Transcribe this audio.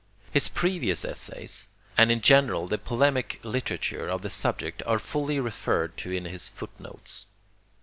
His previous essays and in general the polemic literature of the subject are fully referred to in his footnotes.